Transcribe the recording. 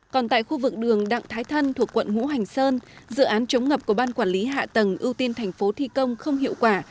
còn tại khu vực đường đặng thái thân thuộc quận ngũ hành sơn dự án chống ngập của ban quản lý hạ tầng ưu tiên thành phố thi công không hiệu quả